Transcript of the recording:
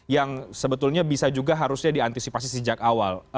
yang sebetulnya bisa juga harusnya diantisipasi sejak awal